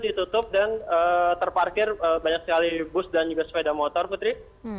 ditutup dan terparkir banyak sekali bus dan juga sepeda motor putri